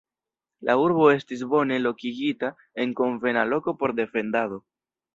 La urbo estis bone lokigita en konvena loko por defendado.